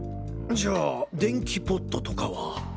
じゃあ電気ポットとかは？